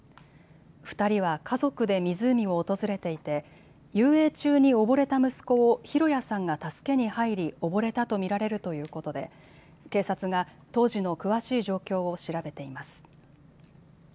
２人は家族で湖を訪れていて遊泳中に溺れた息子を博也さんが助けに入り溺れたと見られるということで警察が当時の詳しい状況を調べています。